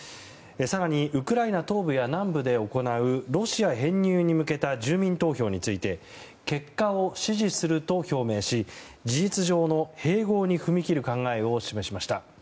更にウクライナ東部や南部で行うロシア編入に向けた住民投票について結果を支持すると表明し事実上の併合に踏み切る考えを示しました。